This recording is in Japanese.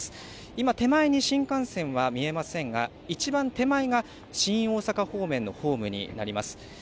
今、手前に新幹線は見えませんが、一番手前が新大阪方面のホームになります。